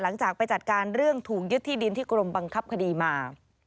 หลังจากไปจัดการเรื่องถูกยึดที่ดินที่กรมบังคับคดีมา